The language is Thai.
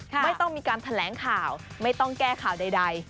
ไม่ต้องมีการแถลงข่าวไม่ต้องแก้ข่าวใด